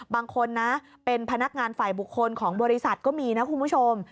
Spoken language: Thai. บางคนนะเป็นพนักงานฝ่ายบุคคลของบริษัทก็มีนะคุณผู้ชม